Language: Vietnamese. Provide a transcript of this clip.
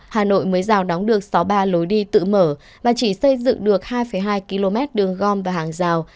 hà nội mới giao đóng được sáu ba lối đi tự mở và chỉ xây dựng được hai hai km đường gom và hàng rào